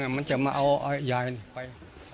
มันจะมาเอายายไป